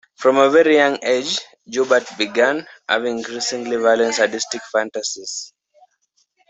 From a very young age, Joubert began having increasingly violent sadistic fantasies.